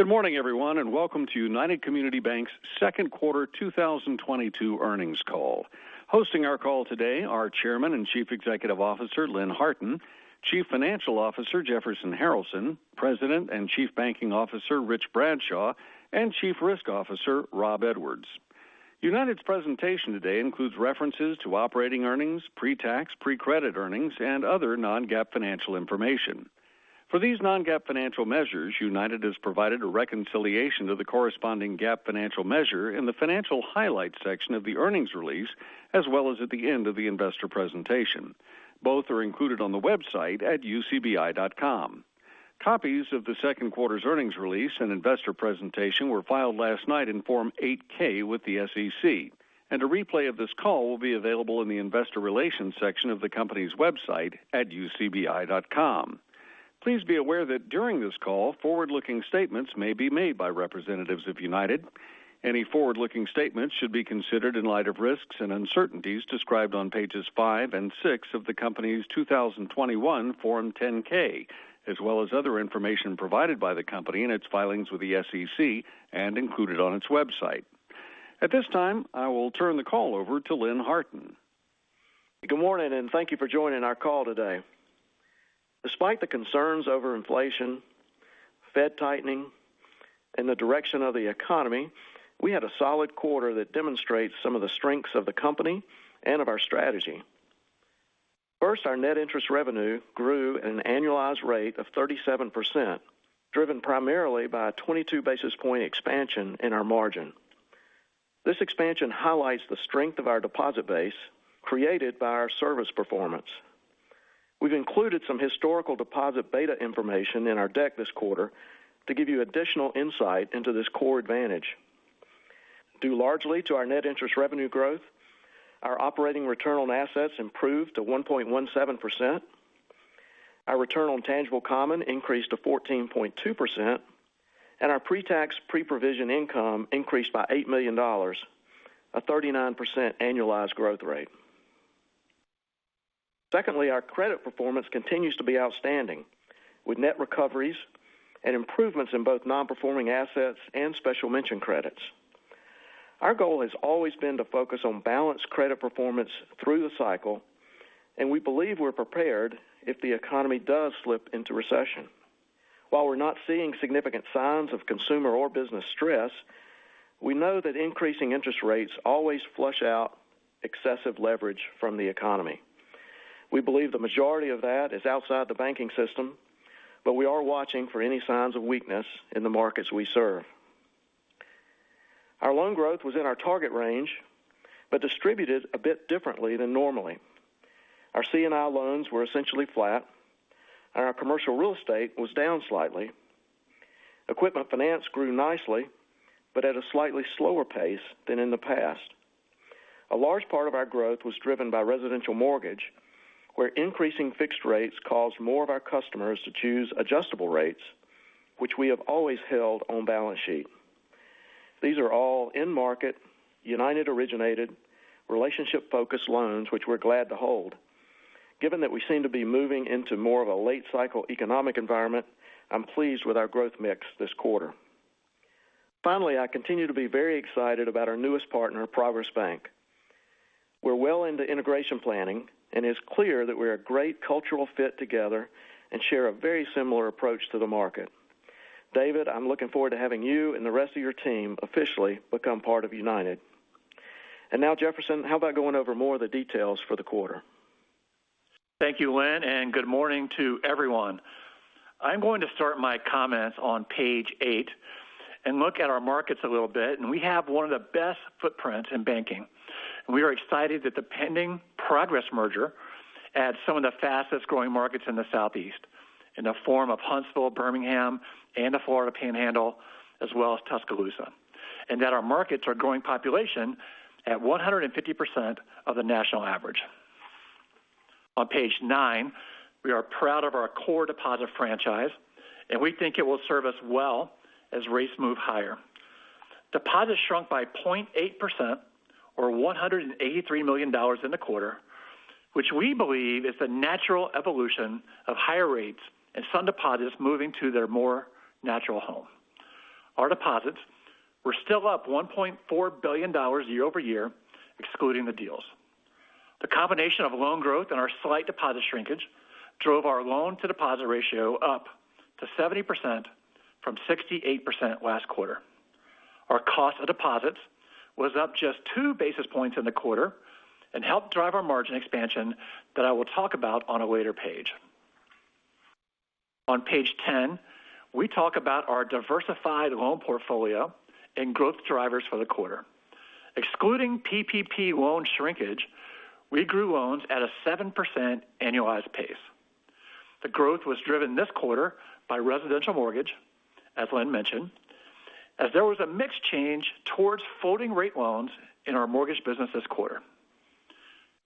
Good morning, everyone, and welcome to United Community Bank's second quarter 2022 earnings call. Hosting our call today are Chairman and Chief Executive Officer, Lynn Harton, Chief Financial Officer, Jefferson Harralson, President and Chief Banking Officer, Rich Bradshaw, and Chief Risk Officer, Rob Edwards. United's presentation today includes references to operating earnings, pre-tax, pre-credit earnings, and other non-GAAP financial information. For these non-GAAP financial measures, United has provided a reconciliation to the corresponding GAAP financial measure in the Financial Highlights section of the earnings release, as well as at the end of the investor presentation. Both are included on the website at ucbi.com. Copies of the second quarter's earnings release and investor presentation were filed last night in Form 8-K with the SEC, and a replay of this call will be available in the Investor Relations section of the company's website at ucbi.com. Please be aware that during this call, forward-looking statements may be made by representatives of United. Any forward-looking statements should be considered in light of risks and uncertainties described on pages five and six of the company's 2021 Form 10-K, as well as other information provided by the company in its filings with the SEC and included on its website. At this time, I will turn the call over to Lynn Harton. Good morning, and thank you for joining our call today. Despite the concerns over inflation, Fed tightening, and the direction of the economy, we had a solid quarter that demonstrates some of the strengths of the company and of our strategy. First, our net interest revenue grew at an annualized rate of 37%, driven primarily by a 22 basis point expansion in our margin. This expansion highlights the strength of our deposit base created by our service performance. We've included some historical deposit data information in our deck this quarter to give you additional insight into this core advantage. Due largely to our net interest revenue growth, our operating return on assets improved to 1.17%. Our return on tangible common increased to 14.2%, and our pre-tax, pre-provision income increased by $8 million, a 39% annualized growth rate. Secondly, our credit performance continues to be outstanding with net recoveries and improvements in both non-performing assets and special mention credits. Our goal has always been to focus on balanced credit performance through the cycle, and we believe we're prepared if the economy does slip into recession. While we're not seeing significant signs of consumer or business stress, we know that increasing interest rates always flush out excessive leverage from the economy. We believe the majority of that is outside the banking system, but we are watching for any signs of weakness in the markets we serve. Our loan growth was in our target range, but distributed a bit differently than normally. Our C&I loans were essentially flat, and our commercial real estate was down slightly. Equipment finance grew nicely, but at a slightly slower pace than in the past. A large part of our growth was driven by residential mortgage, where increasing fixed rates caused more of our customers to choose adjustable rates, which we have always held on balance sheet. These are all in-market, United-originated, relationship-focused loans which we're glad to hold. Given that we seem to be moving into more of a late cycle economic environment, I'm pleased with our growth mix this quarter. Finally, I continue to be very excited about our newest partner, Progress Bank. We're well into integration planning, and it's clear that we're a great cultural fit together and share a very similar approach to the market. David, I'm looking forward to having you and the rest of your team officially become part of United. Now Jefferson, how about going over more of the details for the quarter? Thank you, Lynn, and good morning to everyone. I'm going to start my comments on page eight and look at our markets a little bit. We have one of the best footprints in banking. We are excited that the pending Progress merger adds some of the fastest-growing markets in the Southeast in the form of Huntsville, Birmingham, and the Florida Panhandle, as well as Tuscaloosa, and that our markets are growing population at 150% of the national average. On page nine, we are proud of our core deposit franchise, and we think it will serve us well as rates move higher. Deposits shrunk by 0.8% or $183 million in the quarter, which we believe is the natural evolution of higher rates and some deposits moving to their more natural home. Our deposits were still up $1.4 billion year-over-year, excluding the deals. The combination of loan growth and our slight deposit shrinkage drove our loan to deposit ratio up to 70% from 68% last quarter. Our cost of deposits was up just 2 basis points in the quarter and helped drive our margin expansion that I will talk about on a later page. On page 10, we talk about our diversified loan portfolio and growth drivers for the quarter. Excluding PPP loan shrinkage, we grew loans at a 7% annualized pace. The growth was driven this quarter by residential mortgage, as Lynn mentioned, as there was a mixed change towards floating rate loans in our mortgage business this quarter.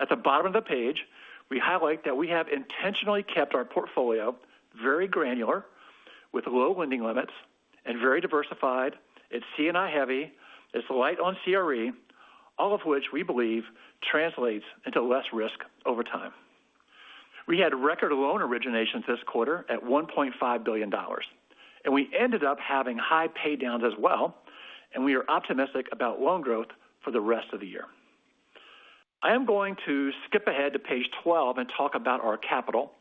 At the bottom of the page, we highlight that we have intentionally kept our portfolio very granular with low lending limits and very diversified. It's C&I heavy. It's light on CRE, all of which we believe translates into less risk over time. We had record loan originations this quarter at $1.5 billion. We ended up having high pay downs as well, and we are optimistic about loan growth for the rest of the year. I am going to skip ahead to page 12 and talk about our capital.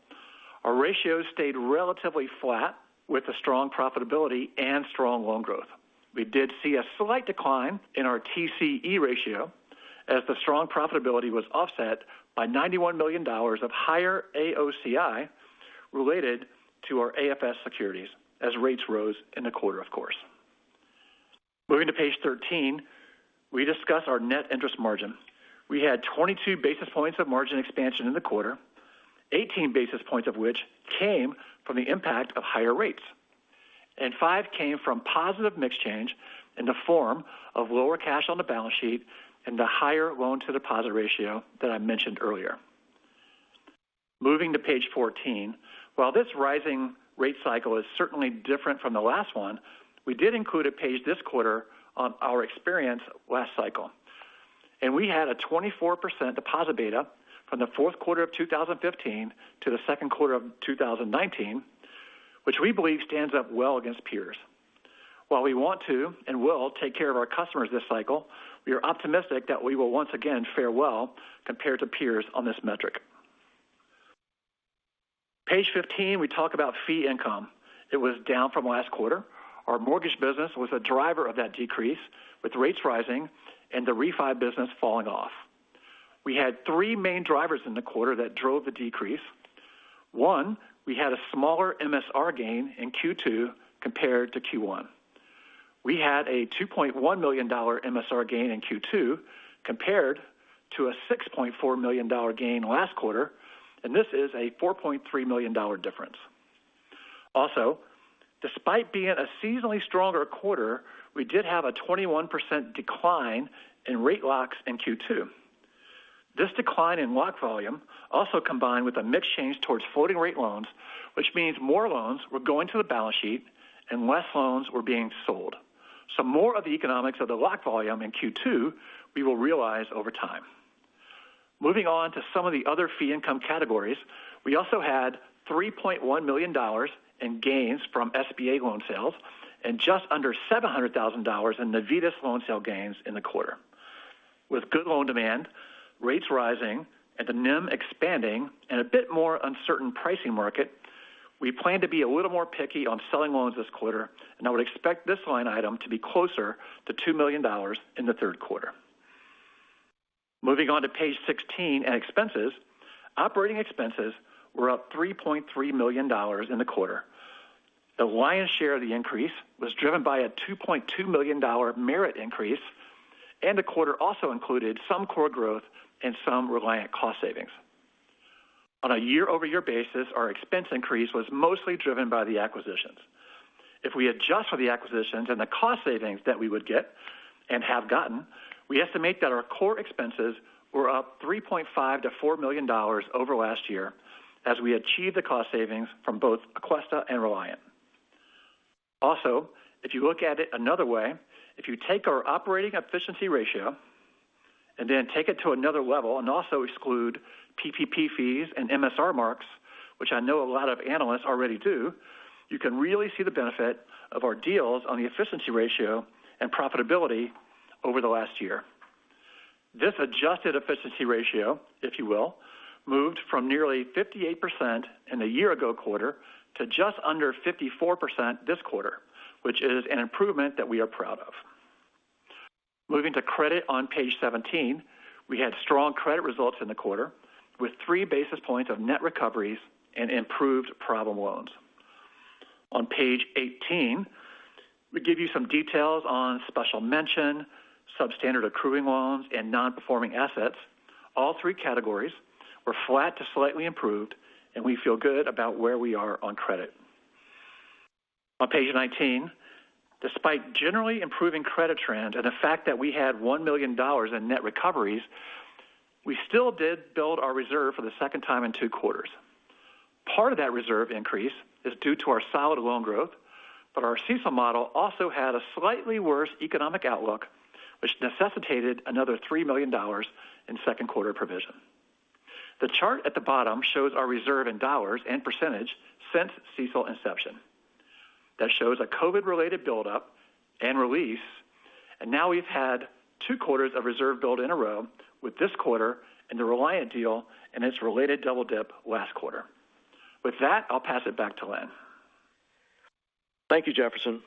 Our ratios stayed relatively flat with a strong profitability and strong loan growth. We did see a slight decline in our TCE ratio as the strong profitability was offset by $91 million of higher AOCI related to our AFS securities as rates rose in the quarter, of course. Moving to page 13, we discuss our net interest margin. We had 22 basis points of margin expansion in the quarter, 18 basis points of which came from the impact of higher rates, and 5 came from positive mix change in the form of lower cash on the balance sheet and the higher loan to deposit ratio that I mentioned earlier. Moving to page 14. While this rising rate cycle is certainly different from the last one, we did include a page this quarter on our experience last cycle. We had a 24% deposit beta from the fourth quarter of 2015 to the second quarter of 2019, which we believe stands up well against peers. While we want to and will take care of our customers this cycle, we are optimistic that we will once again fare well compared to peers on this metric. Page 15, we talk about fee income. It was down from last quarter. Our mortgage business was a driver of that decrease, with rates rising and the refi business falling off. We had three main drivers in the quarter that drove the decrease. One, we had a smaller MSR gain in Q2 compared to Q1. We had a $2.1 million MSR gain in Q2 compared to a $6.4 million gain last quarter, and this is a $4.3 million difference. Also, despite being a seasonally stronger quarter, we did have a 21% decline in rate locks in Q2. This decline in lock volume also combined with a mix change towards floating rate loans, which means more loans were going to the balance sheet and less loans were being sold. More of the economics of the lock volume in Q2 we will realize over time. Moving on to some of the other fee income categories. We also had $3.1 million in gains from SBA loan sales and just under $700,000 in Navitas loan sale gains in the quarter. With good loan demand, rates rising, and the NIM expanding and a bit more uncertain pricing market, we plan to be a little more picky on selling loans this quarter, and I would expect this line item to be closer to $2 million in the third quarter. Moving on to page 16 and expenses. Operating expenses were up $3.3 million in the quarter. The lion's share of the increase was driven by a $2.2 million dollar merit increase, and the quarter also included some core growth and some Reliant cost savings. On a year-over-year basis, our expense increase was mostly driven by the acquisitions. If we adjust for the acquisitions and the cost savings that we would get and have gotten, we estimate that our core expenses were up $3.5 million-$4 million over last year as we achieved the cost savings from both Aquesta and Reliant. Also, if you look at it another way, if you take our operating efficiency ratio and then take it to another level and also exclude PPP fees and MSR marks, which I know a lot of analysts already do, you can really see the benefit of our deals on the efficiency ratio and profitability over the last year. This adjusted efficiency ratio, if you will, moved from nearly 58% in the year ago quarter to just under 54% this quarter, which is an improvement that we are proud of. Moving to credit on page 17. We had strong credit results in the quarter, with three basis points of net recoveries and improved problem loans. On page 18, we give you some details on special mention, substandard accruing loans, and non-performing assets. All three categories were flat to slightly improved, and we feel good about where we are on credit. On page 19, despite generally improving credit trends and the fact that we had $1 million in net recoveries, we still did build our reserve for the second time in 2 quarters. Part of that reserve increase is due to our solid loan growth, but our CECL model also had a slightly worse economic outlook, which necessitated another $3 million in second quarter provision. The chart at the bottom shows our reserve in dollars and percentage since CECL inception. That shows a COVID-related buildup and release, and now we've had two quarters of reserve build in a row with this quarter and the Reliant deal and its related double dip last quarter. With that, I'll pass it back to Lynn. Thank you, Jefferson.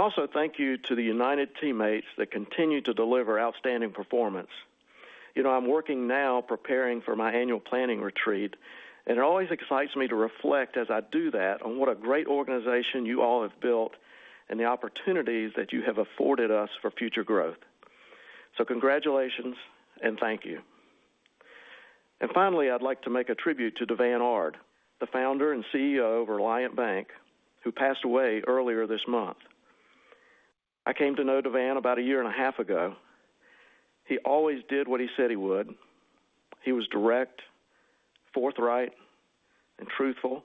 Also thank you to the United teammates that continue to deliver outstanding performance. You know, I'm working now preparing for my annual planning retreat, and it always excites me to reflect as I do that on what a great organization you all have built and the opportunities that you have afforded us for future growth. Congratulations and thank you. Finally, I'd like to make a tribute to DeVan Ard, the Founder and CEO of Reliant Bank, who passed away earlier this month. I came to know DeVan about a year and a half ago. He always did what he said he would. He was direct, forthright, and truthful.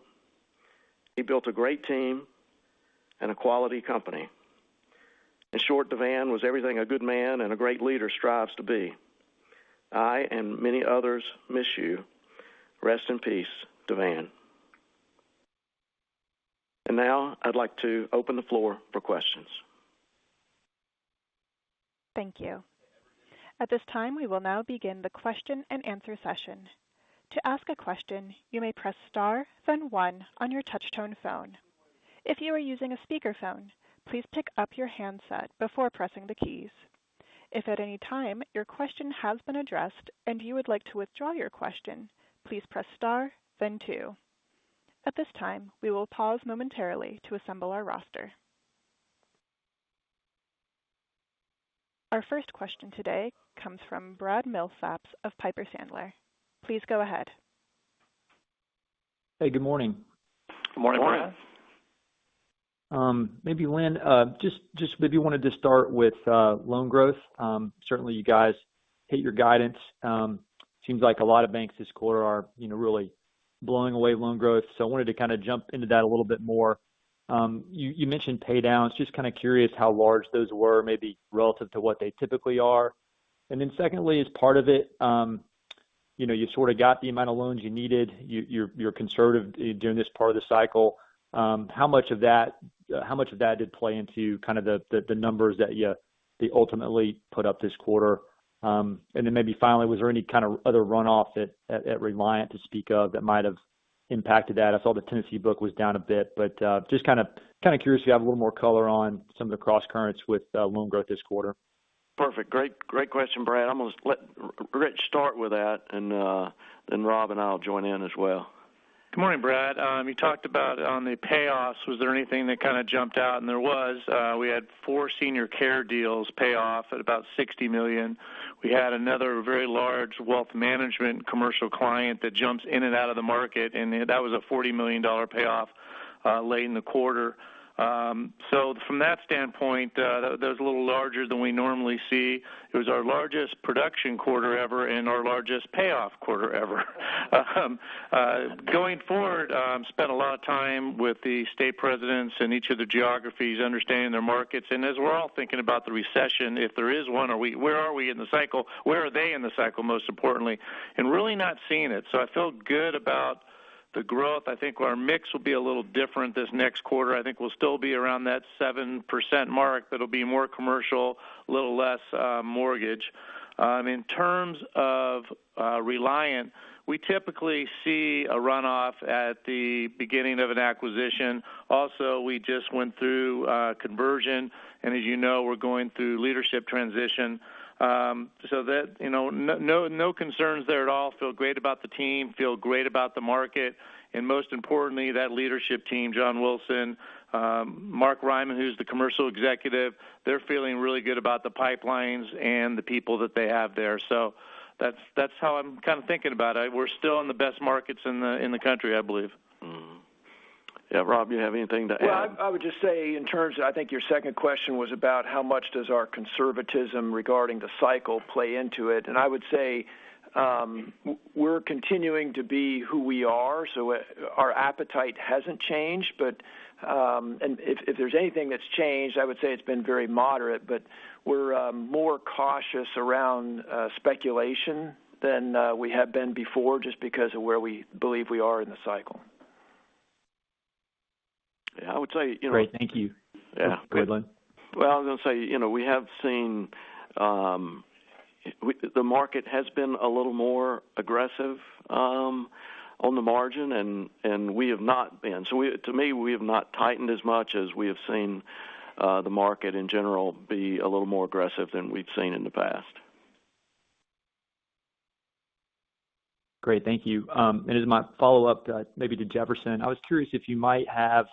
He built a great team and a quality company. In short, DeVan was everything a good man and a great leader strives to be. I and many others miss you. Rest in peace, DeVan. Now I'd like to open the floor for questions. Thank you. At this time, we will now begin the question-and-answer session. To ask a question, you may press star, then one on your touchtone phone. If you are using a speakerphone, please pick up your handset before pressing the keys. If at any time your question has been addressed and you would like to withdraw your question, please press star then two. At this time, we will pause momentarily to assemble our roster. Our first question today comes from Brad Milsaps of Piper Sandler. Please go ahead. Hey, good morning. Good morning. Maybe, Lynn, just wanted to start with loan growth. Certainly you guys hit your guidance. Seems like a lot of banks this quarter are, you know, really blowing away loan growth. I wanted to kind of jump into that a little bit more. You mentioned pay downs. Just kind of curious how large those were maybe relative to what they typically are. Secondly, as part of it, you know, you sort of got the amount of loans you needed. You're conservative during this part of the cycle. How much of that did play into kind of the numbers that you ultimately put up this quarter? Maybe finally, was there any kind of other runoff at Reliant to speak of that might have impacted that? I saw the Tennessee book was down a bit, but just kind of curious if you have a little more color on some of the cross currents with loan growth this quarter. Perfect. Great. Great question, Brad. I'm going to let Rich start with that, and then Rob and I will join in as well. Good morning, Brad. You talked about on the payoffs, was there anything that kind of jumped out? There was. We had four senior care deals pay off at about $60 million. We had another very large wealth management commercial client that jumps in and out of the market, and that was a $40 million payoff, late in the quarter. So from that standpoint, that was a little larger than we normally see. It was our largest production quarter ever and our largest payoff quarter ever. Going forward, spent a lot of time with the state presidents in each of the geographies understanding their markets. As we're all thinking about the recession, if there is one, where are we in the cycle? Where are they in the cycle, most importantly? Really not seeing it. I feel good about the growth. I think our mix will be a little different this next quarter. I think we'll still be around that 7% mark. That'll be more commercial, a little less mortgage. In terms of Reliant, we typically see a runoff at the beginning of an acquisition. Also, we just went through conversion and as you know, we're going through leadership transition. That, you know, no concerns there at all. Feel great about the team, feel great about the market, and most importantly, that leadership team, John Wilson, Mark Ryman, who's the commercial executive, they're feeling really good about the pipelines and the people that they have there. That's how I'm kind of thinking about it. We're still in the best markets in the country, I believe. Yeah, Rob, you have anything to add? Well, I would just say in terms of, I think your second question was about how much does our conservatism regarding the cycle play into it? I would say, we're continuing to be who we are, so our appetite hasn't changed. If there's anything that's changed, I would say it's been very moderate, but we're more cautious around speculation than we have been before just because of where we believe we are in the cycle. Yeah, I would say, you know. Great. Thank you. Yeah. Go ahead, Lynn. Well, I was going to say, you know, we have seen the market has been a little more aggressive on the margin and we have not been. To me, we have not tightened as much as we have seen the market in general be a little more aggressive than we've seen in the past. Great. Thank you. As my follow-up, maybe to Jefferson, I was curious if you might have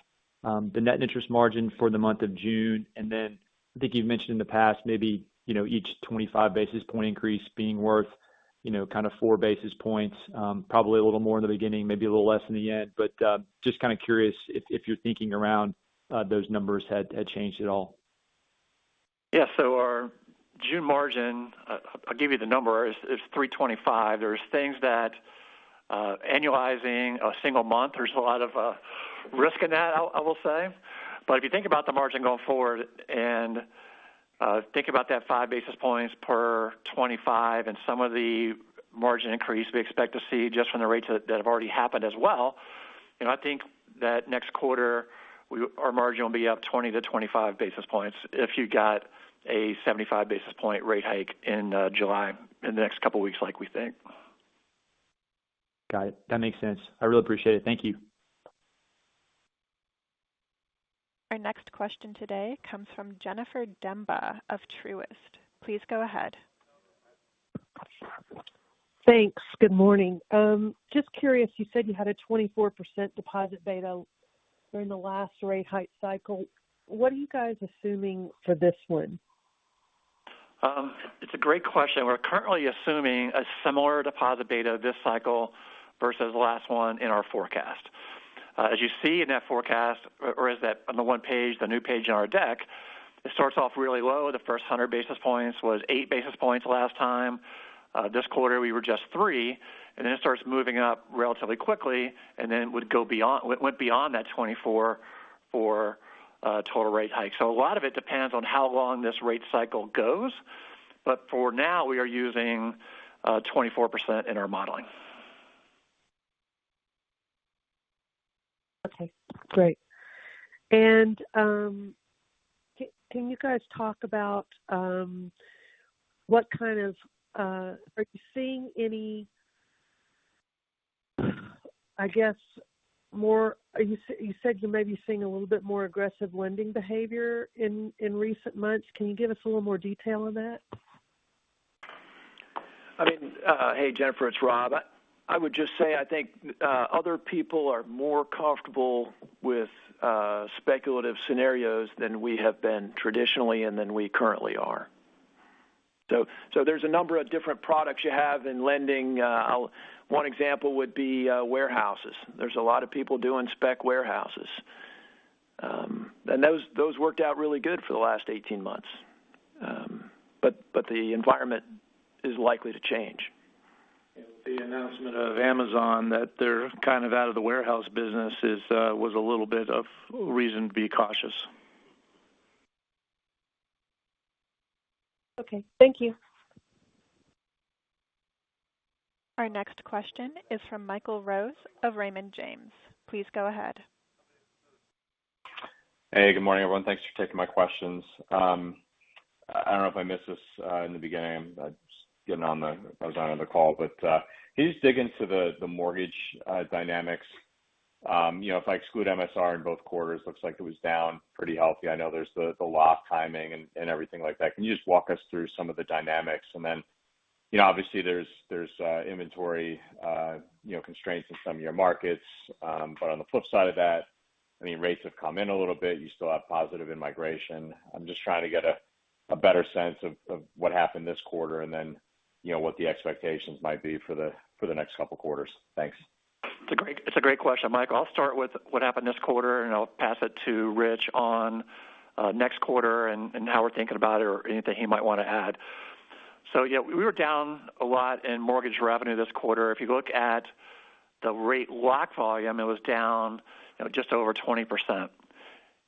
the net interest margin for the month of June. Then I think you've mentioned in the past maybe, you know, each 25 basis point increase being worth, you know, kind of four basis points, probably a little more in the beginning, maybe a little less in the end. Just kind of curious if you're thinking around those numbers had changed at all. Yeah. Our June margin, I'll give you the number is 325. There's things that annualizing a single month, there's a lot of risk in that, I will say. But if you think about the margin going forward and think about that 5 basis points per 25 and some of the margin increase we expect to see just from the rates that have already happened as well, you know, I think that next quarter our margin will be up 20-25 basis points if you got a 75 basis point rate hike in July in the next couple of weeks like we think. Got it. That makes sense. I really appreciate it. Thank you. Our next question today comes from Jennifer Demba of Truist. Please go ahead. Thanks. Good morning. Just curious, you said you had a 24% deposit beta during the last rate hike cycle. What are you guys assuming for this one? It's a great question. We're currently assuming a similar deposit beta this cycle versus the last one in our forecast. As you see in that forecast or as that on the one page, the new page on our deck, it starts off really low. The first 100 basis points was 8 basis points last time. This quarter we were just 3, and then it starts moving up relatively quickly, and then it went beyond that 24 for total rate hikes. A lot of it depends on how long this rate cycle goes, but for now we are using 24% in our modeling. Okay, great. You said you may be seeing a little bit more aggressive lending behavior in recent months. Can you give us a little more detail on that? I mean, hey, Jennifer, it's Rob. I would just say I think other people are more comfortable with speculative scenarios than we have been traditionally and than we currently are. There's a number of different products you have in lending. One example would be warehouses. There's a lot of people doing spec warehouses. Those worked out really good for the last 18 months. The environment is likely to change. The announcement of Amazon that they're kind of out of the warehouse business is, was a little bit of reason to be cautious. Okay, thank you. Our next question is from Michael Rose of Raymond James. Please go ahead. Hey, good morning, everyone. Thanks for taking my questions. I don't know if I missed this in the beginning. I was on another call. Can you just dig into the mortgage dynamics? You know, if I exclude MSR in both quarters, looks like it was down pretty healthy. I know there's the lock timing and everything like that. Can you just walk us through some of the dynamics? You know obviously there's inventory you know constraints in some of your markets. On the flip side of that, I mean, rates have come in a little bit. You still have positive immigration. I'm just trying to get a better sense of what happened this quarter and then, you know, what the expectations might be for the next couple quarters. Thanks. It's a great question, Mike. I'll start with what happened this quarter, and I'll pass it to Rich on next quarter and how we're thinking about it or anything he might wanna add. Yeah, we were down a lot in mortgage revenue this quarter. If you look at the rate lock volume, it was down, you know, just over 20%.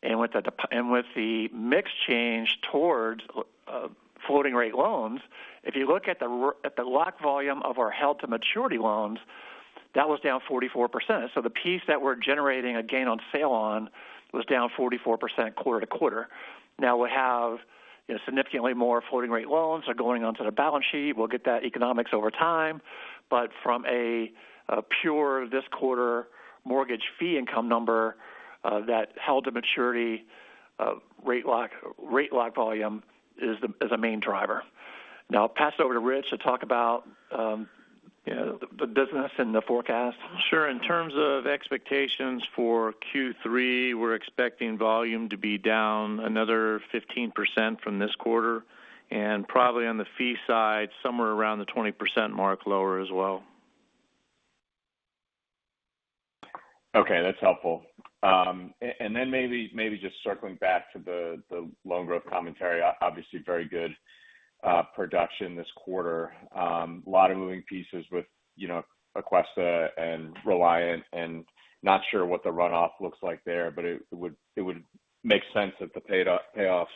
With the mix change towards floating rate loans, if you look at the lock volume of our held to maturity loans, that was down 44%. The piece that we're generating a gain on sale on was down 44% quarter to quarter. Now we have, you know, significantly more floating rate loans are going onto the balance sheet. We'll get that economics over time. From a pure this quarter mortgage fee income number, that held to maturity rate lock volume is the main driver. Now I'll pass it over to Rich to talk about, you know, the business and the forecast. Sure. In terms of expectations for Q3, we're expecting volume to be down another 15% from this quarter, and probably on the fee side, somewhere around the 20% mark lower as well. Okay, that's helpful. And then maybe just circling back to the loan growth commentary. Obviously very good production this quarter. A lot of moving pieces with, you know, Aquesta and Reliant, and not sure what the runoff looks like there, but it would make sense that the payoffs,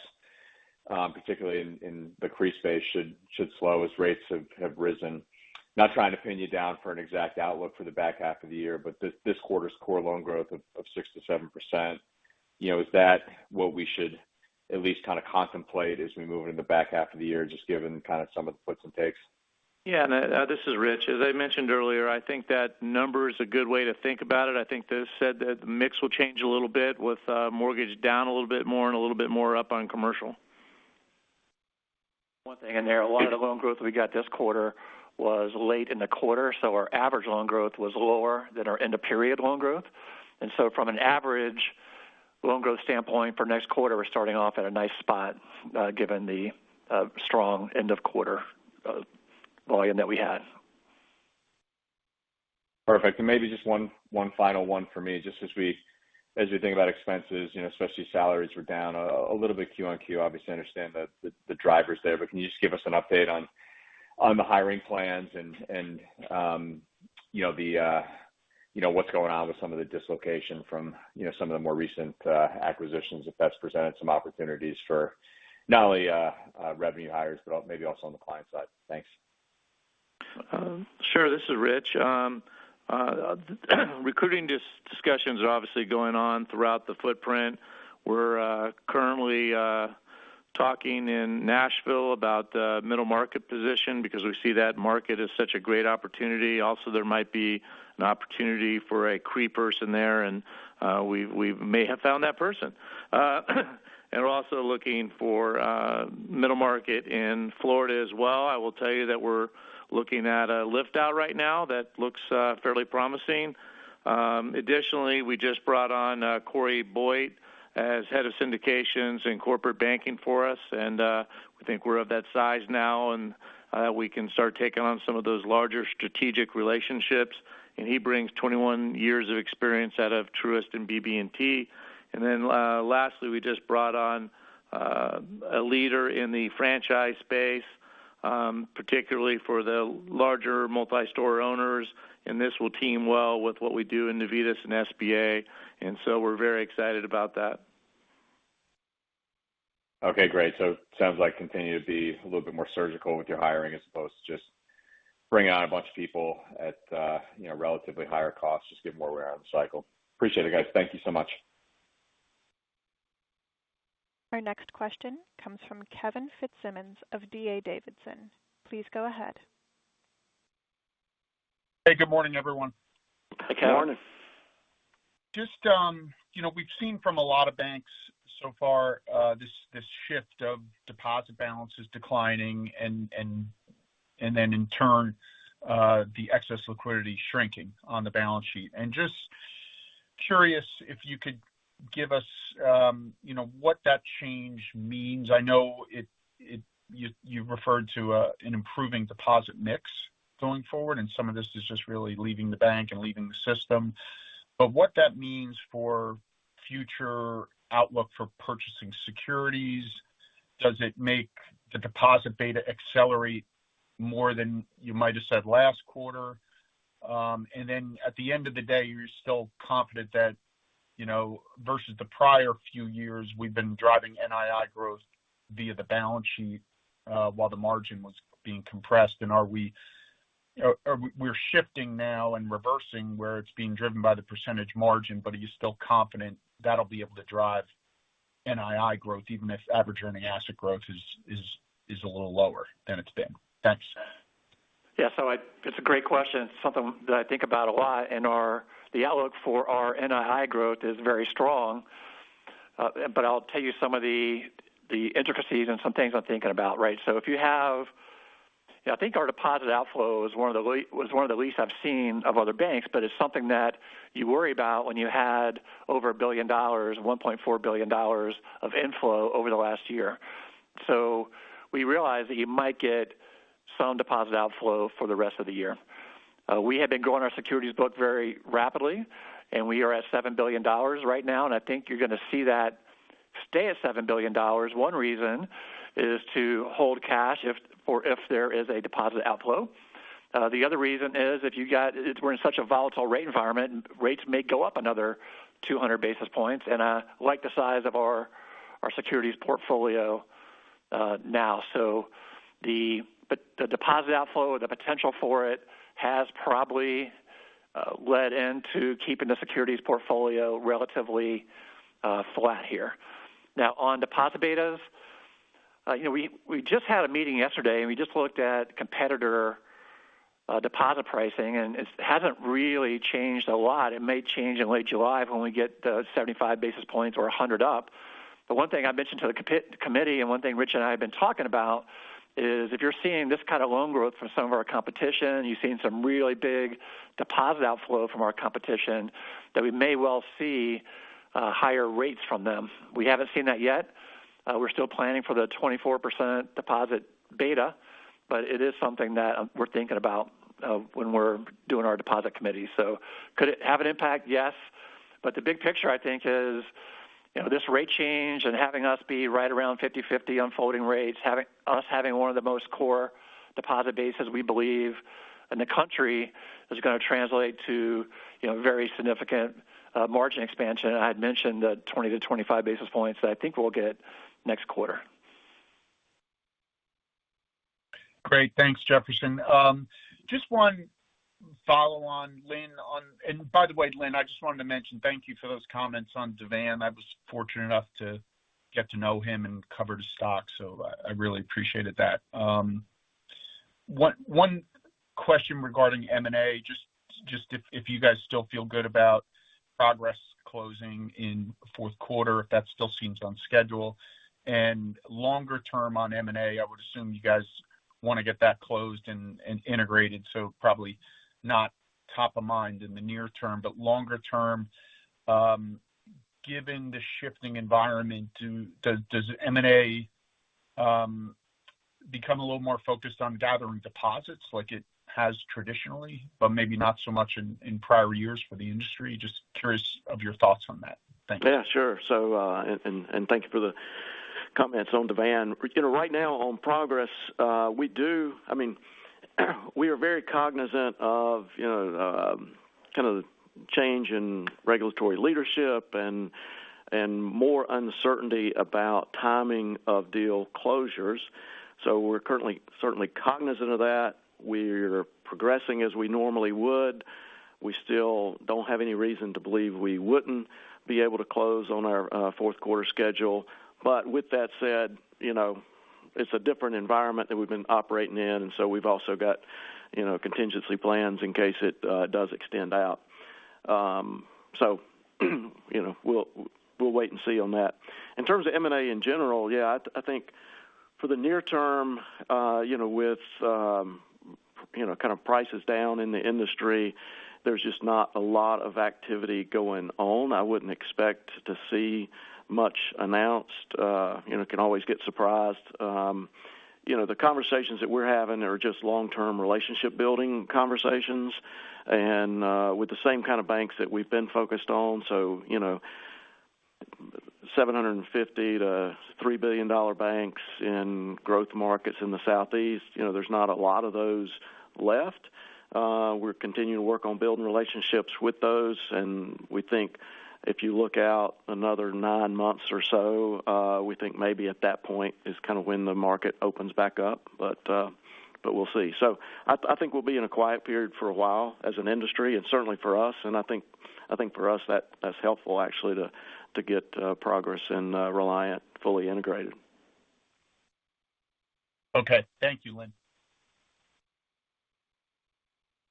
particularly in the CRE space should slow as rates have risen. Not trying to pin you down for an exact outlook for the back half of the year, but this quarter's core loan growth of 6%-7%, you know, is that what we should at least kind of contemplate as we move into the back half of the year, just given kind of some of the puts and takes? Yeah. No, this is Rich. As I mentioned earlier, I think that number is a good way to think about it. I think as I said that the mix will change a little bit with mortgage down a little bit more and a little bit more up on commercial. One thing in there, a lot of the loan growth we got this quarter was late in the quarter, so our average loan growth was lower than our end of period loan growth. From an average loan growth standpoint for next quarter, we're starting off at a nice spot, given the strong end of quarter volume that we had. Perfect. Maybe just one final one for me, just as we think about expenses, you know, especially salaries were down a little bit Q-on-Q, obviously. I understand the drivers there. Can you just give us an update on the hiring plans and, you know, what's going on with some of the dislocation from, you know, some of the more recent acquisitions, if that's presented some opportunities for not only revenue hires, but also maybe on the client side. Thanks. Sure. This is Rich. Recruiting discussions are obviously going on throughout the footprint. We're currently talking in Nashville about the middle market position because we see that market as such a great opportunity. Also, there might be an opportunity for a CRE person there, and we may have found that person. We're also looking for middle market in Florida as well. I will tell you that we're looking at a lift out right now that looks fairly promising. Additionally, we just brought on Corey Boyd as head of syndications and corporate banking for us. I think we're of that size now, and we can start taking on some of those larger strategic relationships. He brings 21 years of experience out of Truist and BB&T. Lastly, we just brought on a leader in the franchise space. Particularly for the larger multi-store owners, and this will team well with what we do in Navitas and SBA. We're very excited about that. Okay, great. Sounds like continue to be a little bit more surgical with your hiring as opposed to just bring on a bunch of people at, you know, relatively higher costs. Just get more wear out of the cycle. Appreciate it, guys. Thank you so much. Our next question comes from Kevin Fitzsimmons of D.A. Davidson. Please go ahead. Hey, good morning, everyone. Hey, Kevin. Morning. Just, you know, we've seen from a lot of banks so far, this shift of deposit balances declining and then in turn, the excess liquidity shrinking on the balance sheet. Just curious if you could give us, you know, what that change means. I know you referred to an improving deposit mix going forward, and some of this is just really leaving the bank and leaving the system. What that means for future outlook for purchasing securities, does it make the deposit beta accelerate more than you might have said last quarter? At the end of the day, you're still confident that, you know, versus the prior few years, we've been driving NII growth via the balance sheet, while the margin was being compressed. You know, we're shifting now and reversing where it's being driven by the percentage margin, but are you still confident that'll be able to drive NII growth, even if average earning asset growth is a little lower than it's been? Thanks. It's a great question. It's something that I think about a lot and the outlook for our NII growth is very strong. I'll tell you some of the intricacies and some things I'm thinking about, right? You know, I think our deposit outflow was one of the least I've seen of other banks, but it's something that you worry about when we had over $1 billion, $1.4 billion of inflow over the last year. We realize that we might get some deposit outflow for the rest of the year. We have been growing our securities book very rapidly, and we are at $7 billion right now, and I think you're gonna see that stay at $7 billion. One reason is to hold cash or if there is a deposit outflow. The other reason is we're in such a volatile rate environment, rates may go up another 200 basis points. Like the size of our securities portfolio now. The deposit outflow, the potential for it has probably led into keeping the securities portfolio relatively flat here. Now on deposit betas, you know, we just had a meeting yesterday, and we just looked at competitor deposit pricing, and it hasn't really changed a lot. It may change in late July when we get the 75 basis points or 100 up. The one thing I mentioned to the committee, and one thing Rich and I have been talking about is if you're seeing this kind of loan growth from some of our competition, you've seen some really big deposit outflow from our competition that we may well see higher rates from them. We haven't seen that yet. We're still planning for the 24% deposit beta, but it is something that we're thinking about when we're doing our deposit committee. Could it have an impact? Yes. The big picture, I think, is, you know, this rate change and having us be right around 50/50 unfolding rates, us having one of the most core deposit bases we believe in the country, is gonna translate to, you know, very significant margin expansion. I had mentioned the 20-25 basis points that I think we'll get next quarter. Great. Thanks, Jefferson. Just one follow on Lynn. By the way, Lynn, I just wanted to mention thank you for those comments on DeVan. I was fortunate enough to get to know him and cover his stock, so I really appreciated that. One question regarding M&A, just if you guys still feel good about Progress closing in fourth quarter, if that still seems on schedule. Longer term on M&A, I would assume you guys wanna get that closed and integrated, so probably not top of mind in the near term. Longer term, given the shifting environment, does M&A become a little more focused on gathering deposits like it has traditionally, but maybe not so much in prior years for the industry? Just curious of your thoughts on that. Thank you. Yeah, sure. Thank you for the comments on DeVan. You know, right now on Progress, I mean, we are very cognizant of, you know, kind of the change in regulatory leadership and more uncertainty about timing of deal closures. We're currently certainly cognizant of that. We're progressing as we normally would. We still don't have any reason to believe we wouldn't be able to close on our fourth quarter schedule. But with that said, you know, it's a different environment than we've been operating in, so we've also got, you know, contingency plans in case it does extend out. You know, we'll wait and see on that. In terms of M&A in general, yeah, I think for the near term, you know, with you know, kind of prices down in the industry, there's just not a lot of activity going on. I wouldn't expect to see much announced. You know, can always get surprised. You know, the conversations that we're having are just long-term relationship building conversations and with the same kind of banks that we've been focused on. So, you know- $750 million-$3 billion banks in growth markets in the Southeast. You know, there's not a lot of those left. We're continuing to work on building relationships with those, and we think if you look out another 9 months or so, we think maybe at that point is kind of when the market opens back up. We'll see. I think we'll be in a quiet period for a while as an industry and certainly for us. I think for us, that's helpful actually to get Progress and Reliant fully integrated. Okay. Thank you, Lynn.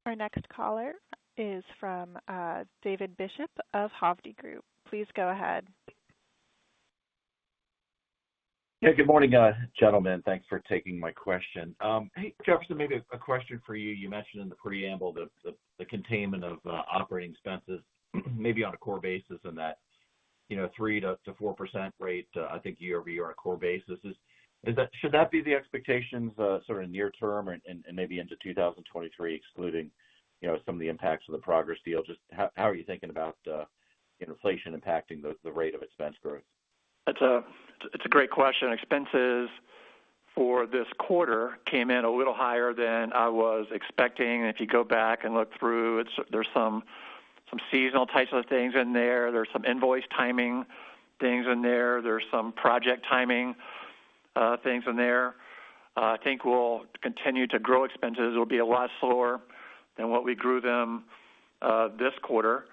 Our next caller is from David Bishop of Hovde Group. Please go ahead. Yeah. Good morning, gentlemen. Thanks for taking my question. Hey, Jefferson, maybe a question for you. You mentioned in the preamble the containment of operating expenses maybe on a core basis and that, you know, 3%-4% rate, I think year-over-year on a core basis. Is that—should that be the expectations sort of near term and maybe into 2023, excluding, you know, some of the impacts of the Progress deal? Just how are you thinking about inflation impacting the rate of expense growth? That's a great question. Expenses for this quarter came in a little higher than I was expecting. If you go back and look through, there's some seasonal types of things in there. There's some invoice timing things in there. There's some project timing things in there. I think we'll continue to grow expenses. It'll be a lot slower than what we grew them this quarter.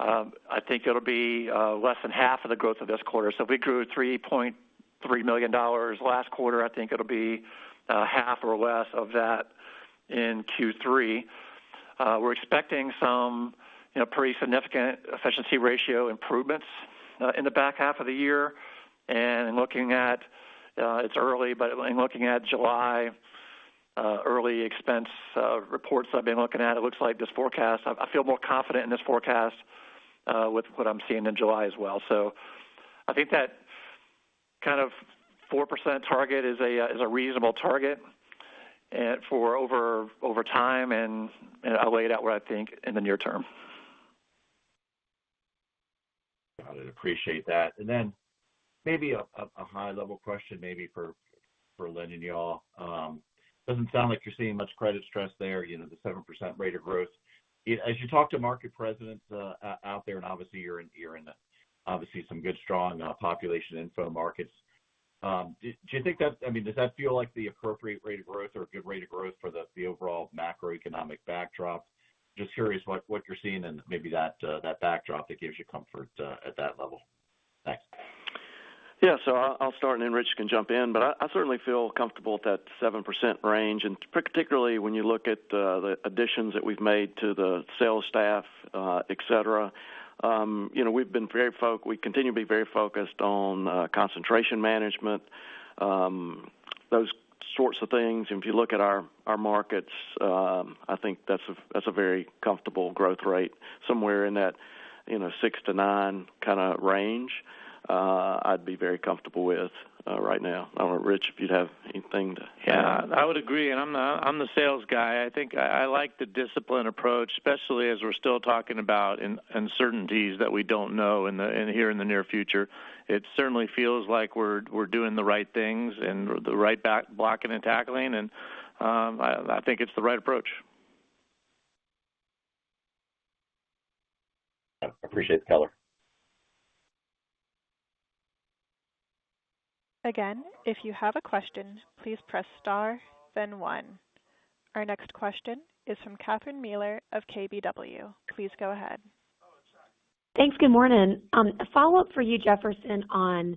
I think it'll be less than half of the growth of this quarter. If we grew $3.3 million last quarter, I think it'll be half or less of that in Q3. We're expecting some, you know, pretty significant efficiency ratio improvements in the back half of the year. Looking at, it's early, but in looking at July, early expense reports I've been looking at, it looks like this forecast. I feel more confident in this forecast with what I'm seeing in July as well. I think that kind of 4% target is a reasonable target for over time, and I laid out what I think in the near term. Got it. Appreciate that. Maybe a high level question maybe for Lynn and y'all. Doesn't sound like you're seeing much credit stress there, you know, the 7% rate of growth. As you talk to market presidents out there, and obviously you're in obviously some good, strong population inflow markets, do you think that's—I mean, does that feel like the appropriate rate of growth or a good rate of growth for the overall macroeconomic backdrop? Just curious what you're seeing and maybe that backdrop that gives you comfort at that level. Thanks. Yeah. I'll start, and then Rich can jump in. I certainly feel comfortable with that 7% range, and particularly when you look at the additions that we've made to the sales staff, et cetera. You know, we continue to be very focused on concentration management, those sorts of things. If you look at our markets, I think that's a very comfortable growth rate. Somewhere in that, you know, 6%-9% kinda range, I'd be very comfortable with right now. I don't know, Rich, if you'd have anything to. Yeah. I would agree, and I'm the sales guy. I think I like the disciplined approach, especially as we're still talking about uncertainties that we don't know in the near future. It certainly feels like we're doing the right things and the right blocking and tackling. I think it's the right approach. I appreciate the color. Again, if you have a question, please press star, then one. Our next question is from Catherine Mealor of KBW. Please go ahead. Thanks. Good morning. A follow-up for you, Jefferson, on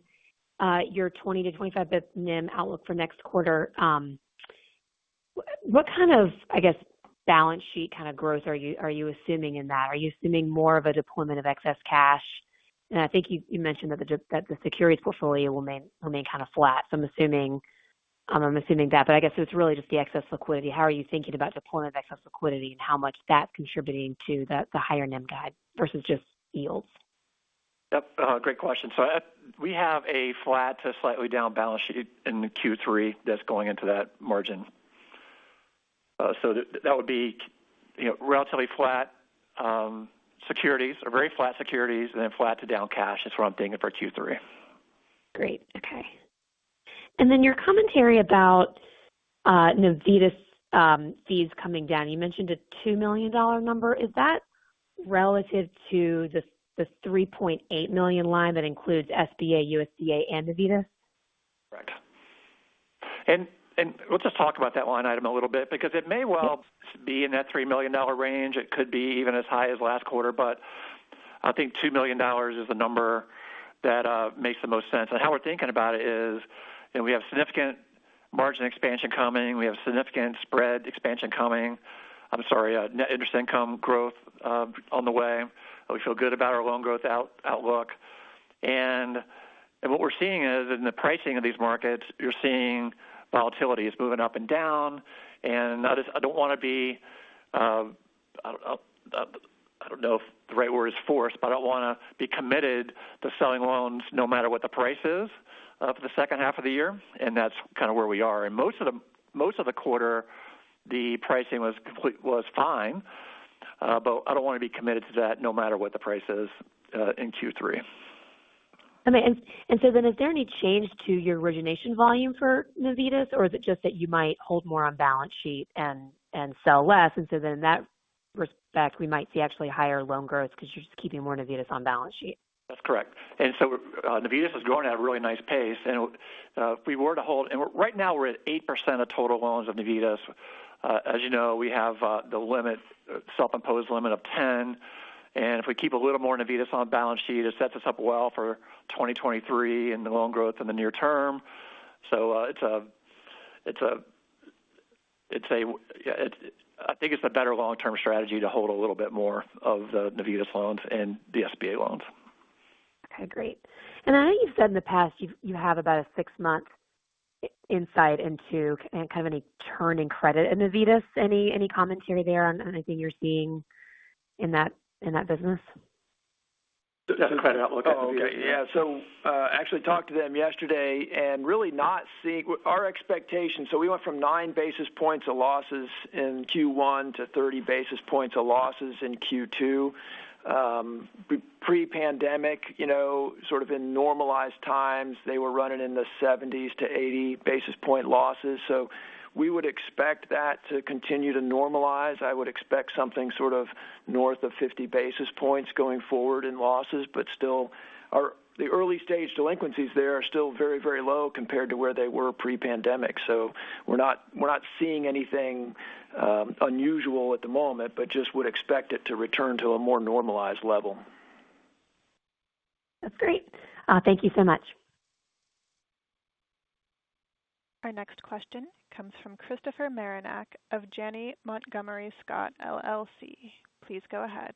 your 20-25 basis points NIM outlook for next quarter. What kind of, I guess, balance sheet kinda growth are you assuming in that? Are you assuming more of a deployment of excess cash? I think you mentioned that the securities portfolio will remain kind of flat. So I'm assuming that. But I guess it's really just the excess liquidity. How are you thinking about deployment of excess liquidity and how much that's contributing to the higher NIM guide versus just yields? Yep. Great question. We have a flat to slightly down balance sheet in Q3 that's going into that margin. That would be, you know, relatively flat, securities or very flat securities and then flat to down cash is what I'm thinking for Q3. Great. Okay. Your commentary about Navitas fees coming down. You mentioned a $2 million number. Is that relative to the $3.8 million line that includes SBA, USDA and Navitas? Correct. We'll just talk about that line item a little bit because it may well be in that $3 million range. It could be even as high as last quarter, but I think $2 million is the number that makes the most sense. How we're thinking about it is, you know, we have significant margin expansion coming. We have significant spread expansion coming. I'm sorry, net interest income growth on the way. We feel good about our loan growth outlook. What we're seeing is in the pricing of these markets, you're seeing volatility. It's moving up and down. I just don't wanna be. I'll I don't know if the right word is forced, but I don't wanna be committed to selling loans no matter what the price is for the second half of the year. That's kind of where we are. Most of the quarter, the pricing was fine. But I don't wanna be committed to that no matter what the price is in Q3. Okay. Is there any change to your origination volume for Navitas, or is it just that you might hold more on balance sheet and sell less? In that respect, we might see actually higher loan growth because you're just keeping more Navitas on balance sheet. That's correct. Navitas is growing at a really nice pace. Right now we're at 8% of total loans of Navitas. As you know, we have the self-imposed limit of 10. If we keep a little more Navitas on balance sheet, it sets us up well for 2023 in the loan growth in the near term. I think it's a better long-term strategy to hold a little bit more of the Navitas loans and the SBA loans. Okay, great. I know you've said in the past you have about a six-month insight into kind of any turn in credit in Navitas. Any commentary there on anything you're seeing in that business? The credit outlook at Navitas. Yeah. Actually talked to them yesterday. Our expectation we went from 9 basis points of losses in Q1 to 30 basis points of losses in Q2. Pre-pandemic, you know, sort of in normalized times, they were running in the 70s to 80 basis point losses. We would expect that to continue to normalize. I would expect something sort of north of 50 basis points going forward in losses, but still the early-stage delinquencies there are still very, very low compared to where they were pre-pandemic. We're not seeing anything unusual at the moment, but just would expect it to return to a more normalized level. That's great. Thank you so much. Our next question comes from Christopher Marinac of Janney Montgomery Scott LLC. Please go ahead.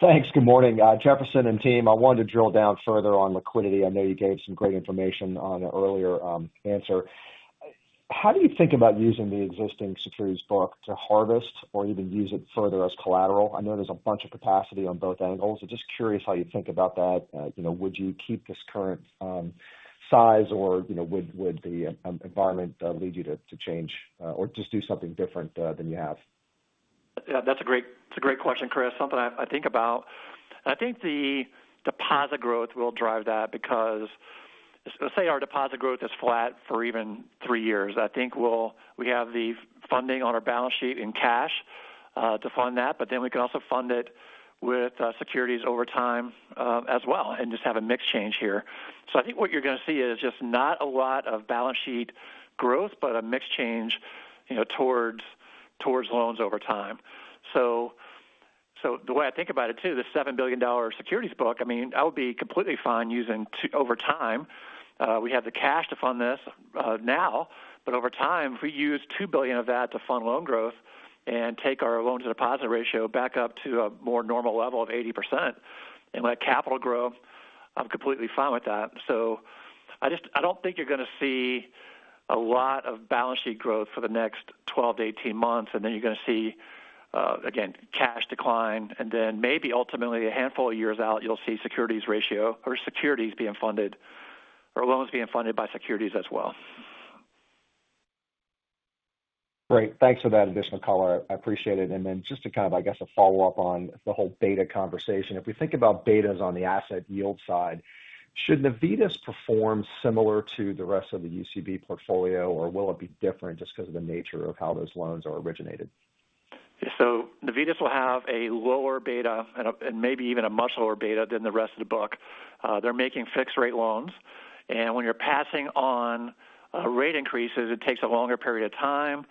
Thanks. Good morning, Jefferson and team. I wanted to drill down further on liquidity. I know you gave some great information on an earlier answer. How do you think about using the existing securities book to harvest or even use it further as collateral? I know there's a bunch of capacity on both angles. Just curious how you think about that. You know, would you keep this current size or, you know, would the environment lead you to change or just do something different than you have? Yeah, that's a great question, Chris. Something I think about. I think the deposit growth will drive that because, let's say our deposit growth is flat for even three years. I think we have the funding on our balance sheet in cash to fund that, but then we can also fund it with securities over time as well and just have a mix change here. I think what you're gonna see is just not a lot of balance sheet growth, but a mix change, you know, towards loans over time. The way I think about it, too, the $7 billion securities book, I mean, I would be completely fine using 2 over time. We have the cash to fund this now, but over time, if we use $2 billion of that to fund loan growth and take our loan-to-deposit ratio back up to a more normal level of 80% and let capital grow, I'm completely fine with that. I just don't think you're gonna see a lot of balance sheet growth for the next 12-18 months, and then you're gonna see again, cash decline, and then maybe ultimately a handful of years out, you'll see securities ratio or securities being funded or loans being funded by securities as well. Great. Thanks for that additional color. I appreciate it. Just to kind of, I guess, a follow-up on the whole beta conversation. If we think about betas on the asset yield side, should Navitas perform similar to the rest of the UCB portfolio, or will it be different just because of the nature of how those loans are originated? Navitas will have a lower beta and maybe even a much lower beta than the rest of the book. They're making fixed rate loans. When you're passing on rate increases, it takes a longer period of time.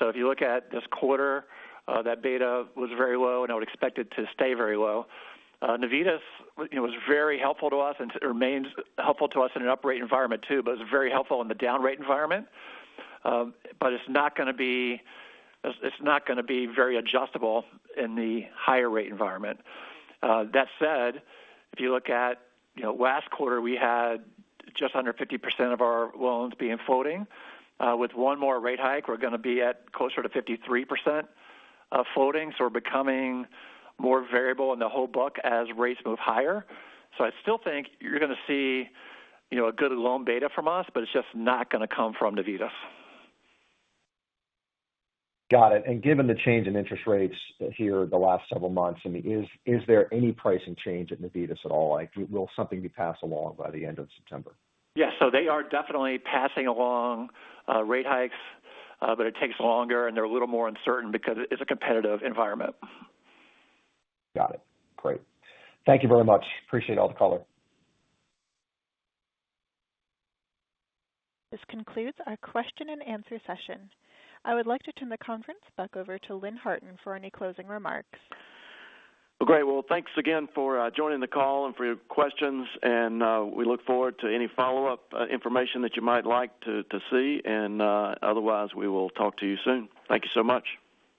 If you look at this quarter, that beta was very low, and I would expect it to stay very low. Navitas, you know, was very helpful to us and remains helpful to us in an uprate environment too, but it's very helpful in the down rate environment. But it's not gonna be very adjustable in the higher rate environment. That said, if you look at, you know, last quarter, we had just under 50% of our loans being floating. With one more rate hike, we're gonna be at closer to 53% of floating. We're becoming more variable in the whole book as rates move higher. I still think you're gonna see, you know, a good loan beta from us, but it's just not gonna come from Navitas. Got it. Given the change in interest rates here the last several months, I mean, is there any pricing change at Navitas at all? Like, will something be passed along by the end of September? Yes. They are definitely passing along rate hikes, but it takes longer and they're a little more uncertain because it's a competitive environment. Got it. Great. Thank you very much. Appreciate all the color. This concludes our question and answer session. I would like to turn the conference back over to Lynn Harton for any closing remarks. Great. Well, thanks again for joining the call and for your questions. We look forward to any follow-up information that you might like to see. Otherwise, we will talk to you soon. Thank you so much.